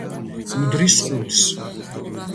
უდრის ხუთს.